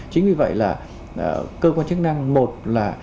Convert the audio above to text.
chính vì vậy là cơ quan chức năng một là